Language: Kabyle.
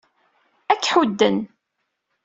Ad k-ḥudden.